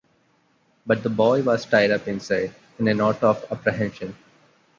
But the boy was tied up inside in a knot of apprehension.